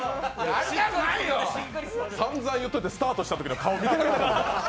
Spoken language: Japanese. さんざん言っておいてスタートしたときの顔、見てください。